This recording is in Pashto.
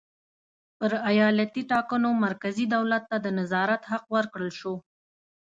پر ایالتي ټاکنو مرکزي دولت ته د نظارت حق ورکړل شو.